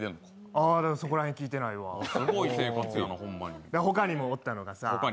あ、そこら辺聞いてないわ他にもおったのがさ